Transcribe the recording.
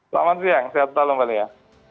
selamat siang sehat selalu mbak lia